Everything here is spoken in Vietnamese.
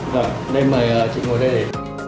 rồi đây mời chị ngồi đây